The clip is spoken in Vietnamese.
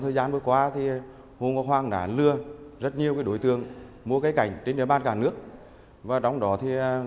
thời gian vừa qua thì hùng hoa đã lừa rất nhiều cái đối tượng mua cái cảnh trên đất nước và đóng đó thì